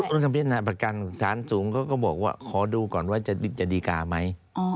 คำพิจารณาประกันสารสูงเขาก็บอกว่าขอดูก่อนว่าจะดีการไหม